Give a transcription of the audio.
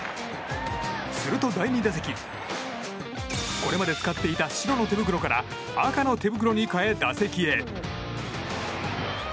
すると、第２打席これまで使っていた白の手袋から赤の手袋に変え、打席へ。